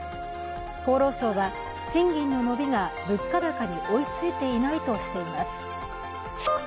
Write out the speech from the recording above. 厚労省は賃金の伸びが物価高に追いついていないとしています。